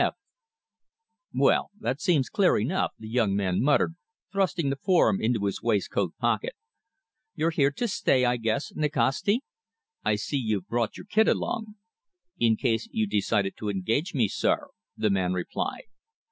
F. "Well that seems clear enough," the young man muttered, thrusting the form into his waistcoat pocket. "You're here to stay, I guess, Nikasti? I see you've brought your kit along." "In case you decided to engage me, sir," the man replied.